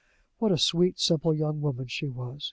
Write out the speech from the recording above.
What a sweet, simple young woman she was!